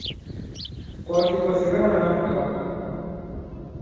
Kwaki kwasighana na mkako?